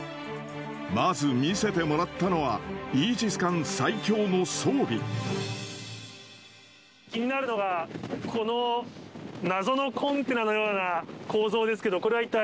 まず、見せてもらったのは、気になるのが、この謎のコンテナのような構造ですけど、これは一体？